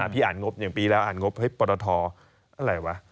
พี่อ่านงบอย่างปีแล้วอ่านงบปรทอะไรวะ